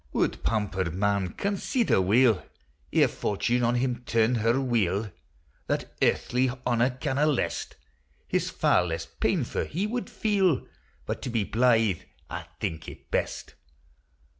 Would pampered man consider weel, Ere Fortune on him turn her wheel, That earthly honour canna lest, His fa' less painf u' he would feel : But to be blythe I think it best.